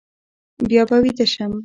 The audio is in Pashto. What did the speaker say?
بیا به ویده شم.